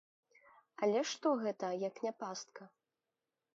Але што гэта, як не пастка?